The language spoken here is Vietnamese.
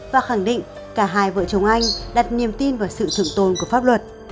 và khẳng định cả hai vợ chồng anh đặt niềm tin vào sự trưởng tôn của pháp luật